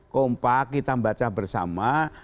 kompak kita membaca bersama